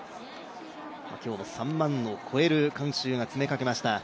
今日も３万を超える観衆が詰めかけました。